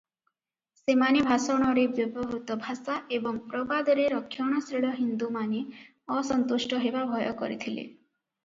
ସେମାନେ ଭାଷଣରେ ବ୍ୟବହୃତ ଭାଷା ଏବଂ ପ୍ରବାଦରେ ରକ୍ଷଣଶୀଳ ହିନ୍ଦୁମାନେ ଅସନ୍ତୁଷ୍ଟ ହେବା ଭୟ କରିଥିଲେ ।